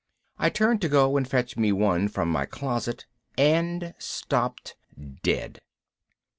_ I turned to go and fetch me one from my closet. And stopped dead.